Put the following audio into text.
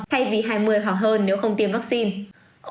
thay vì hai mươi hoặc hơn nếu không tiêm vaccine